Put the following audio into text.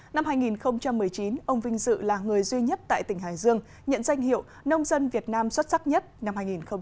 năm hai nghìn một mươi chín ông vinh dự là người duy nhất tại tỉnh hải dương nhận danh hiệu nông dân việt nam xuất sắc nhất năm hai nghìn một mươi chín